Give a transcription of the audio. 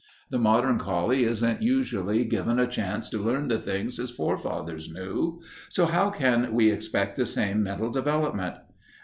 The modern collie isn't usually given a chance to learn the things his forefathers knew, so how can we expect the same mental development?